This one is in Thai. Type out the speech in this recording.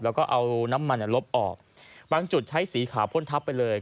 แล้วก็เอาน้ำมันลบออกบางจุดใช้สีขาวพ่นทับไปเลย